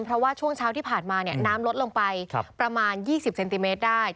เพราะว่าช่วงเช้าที่ผ่านมาน้ำลดลงไปประมาณ๒๐เซนติเมตรได้